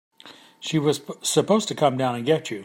She was supposed to come down and get you.